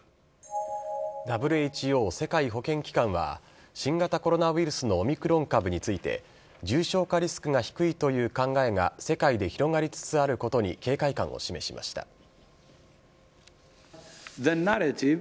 ＷＨＯ・世界保健機関は、新型コロナウイルスのオミクロン株について、重症化リスクが低いという考えが世界で広がりつつあることに警戒感を示しました。